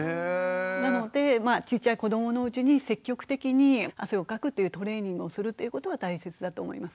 なのでちっちゃい子どものうちに積極的に汗をかくっていうトレーニングをするっていうことは大切だと思います。